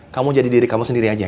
kamu jadi diri kamu sendiri aja